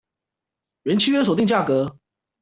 原契約所定價格